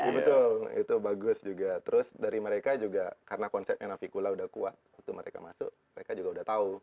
iya betul itu bagus juga terus dari mereka juga karena konsepnya navicula udah kuat waktu mereka masuk mereka juga udah tahu